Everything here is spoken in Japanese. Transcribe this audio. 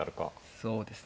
そうですね